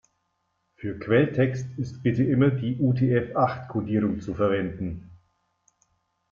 Für Quelltext ist bitte immer die UTF-acht-Kodierung zu verwenden.